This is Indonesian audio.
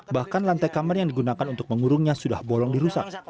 bahkan lantai kamar yang digunakan untuk mengurungnya sudah bolong dirusak